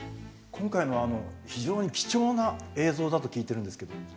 今回の非常に貴重な映像だと聞いてるんですけど。